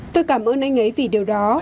tôi cảm ơn anh ấy vì điều đó